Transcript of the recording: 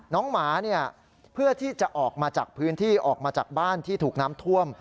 หมาเนี่ยเพื่อที่จะออกมาจากพื้นที่ออกมาจากบ้านที่ถูกน้ำท่วม